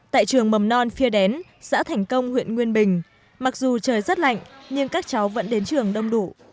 tại trường mầm non phia đén xã thành công huyện nguyên bình mặc dù trời rất lạnh nhưng các cháu vẫn đến trường đông đủ